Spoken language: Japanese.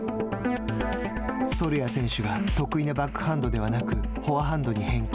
ソルヤ選手が得意なバックハンドではなくフォアハンドに返球。